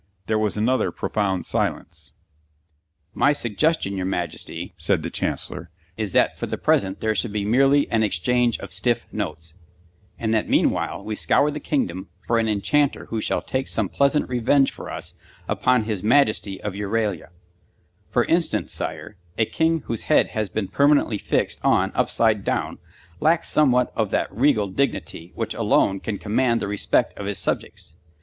There was another profound silence. ... [Illustration: He found the King nursing a bent whisker and in the very vilest of tempers] "My suggestion, your Majesty," said the Chancellor, "is that for the present there should be merely an exchange of Stiff Notes; and that meanwhile we scour the kingdom for an enchanter who shall take some pleasant revenge for us upon his Majesty of Euralia. For instance, Sire, a king whose head has been permanently fixed on upside down lacks somewhat of that regal dignity which alone can command the respect of his subjects.